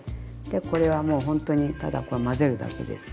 でこれはもうほんとにただこう混ぜるだけです。